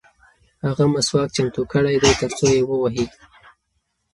هغه مسواک چمتو کړی دی ترڅو یې ووهي.